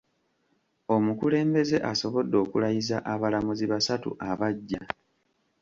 Omukulembeze asobodde okulayiza abalamuzi basatu abaggya .